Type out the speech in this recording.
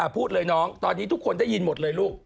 พูดเลยน้องตอนนี้ทุกคนได้ยินหมดเลยลูก